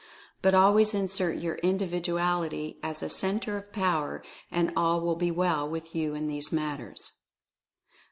But always assert your Individuality as a Centre of Power, and all will be well with you in these matters.